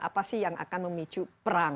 apa sih yang akan memicu perang